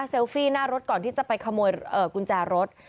ฟี่หน้ารถก่อนที่จะไปขโมยกุญแจรถ